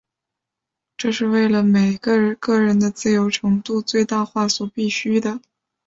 这是为了使每个个人的自由程度最大化所必需的。